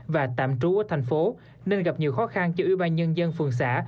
và tạm trú ở thành phố nên gặp nhiều khó khăn cho ưu ba nhân dân phường xã